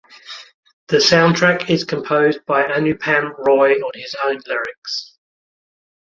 The soundtrack is composed by Anupam Roy on his own lyrics.